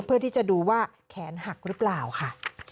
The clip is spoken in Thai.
เพื่อที่จะดูว่าแขนหักหรือเปล่าค่ะ